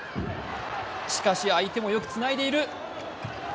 しかし、相手もよくつないでいる。